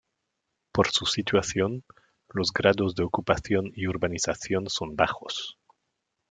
Por su situación, los grados de ocupación y urbanización son bajos.